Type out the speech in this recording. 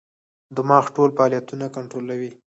دماغ ټول فعالیتونه کنټرولوي.